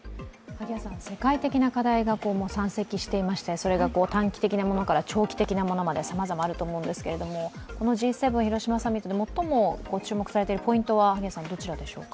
世界的な課題が山積していまして、それが短期的なものから長期的なものまでさまざまあると思うんですけれども、このＧ７広島サミットで最も注目されているポイントはどちらでしょうか。